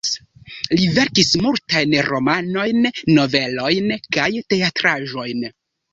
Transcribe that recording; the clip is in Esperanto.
Li verkis multajn romanojn, novelojn kaj teatraĵojn.